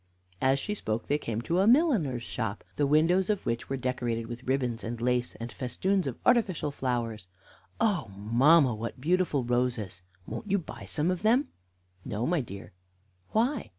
As she spoke they came to a milliner's shop, the windows of which were decorated with ribbons and lace, and festoons of artificial flowers. "Oh, mamma, what beautiful roses! Won't you buy some of them?" "No, my dear." "Why?"